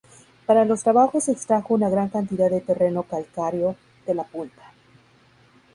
Para los trabajos se extrajo una gran cantidad de terreno calcáreo de la punta.